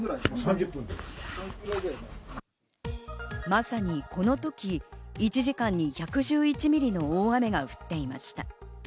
まさにこの時、１時間に１１１ミリの大雨が降っていました。